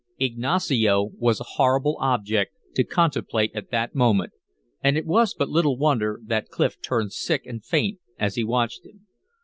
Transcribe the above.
Ignacio was a horrible object to contemplate at that moment, and it was but little wonder that Clif turned sick and faint as he watched him.